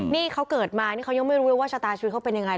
นี่เขาเกิดมานี่เขายังไม่รู้เลยว่าชะตาชีวิตเขาเป็นยังไง